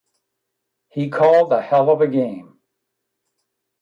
He called a helluva game.